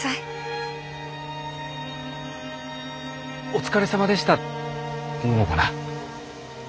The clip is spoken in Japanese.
「お疲れさまでした」っていうのかな。